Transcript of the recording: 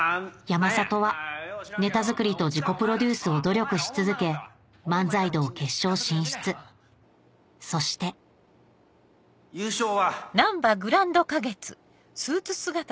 山里はネタ作りと自己プロデュースを努力し続け「漫才道」決勝進出そして優勝は。